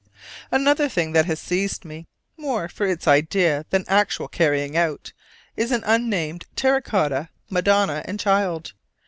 Another thing that has seized me, more for its idea than actual carrying out, is an unnamed terra cotta Madonna and Child.